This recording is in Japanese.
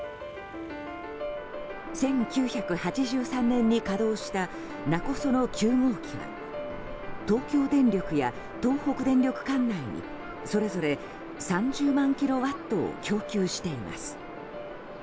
１９８３年に稼働した勿来の９号機は東京電力や東北電力管内にそれぞれ３０万キロワットを供給しています。